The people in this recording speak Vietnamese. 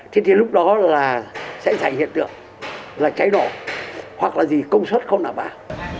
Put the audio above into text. thế thì lúc đó là sẽ xảy hiện tượng là cháy nổ hoặc là gì công suất không đảm bảo